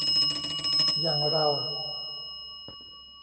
อย่างเรา